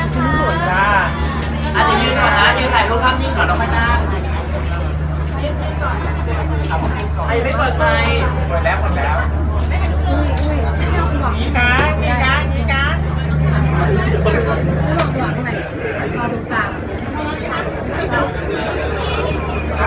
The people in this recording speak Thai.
สวัสดีครับไม่รอดไม่รอดเล่นรอดนะคะ